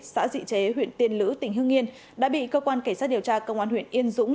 xã dị chế huyện tiên lữ tỉnh hương yên đã bị cơ quan cảnh sát điều tra công an huyện yên dũng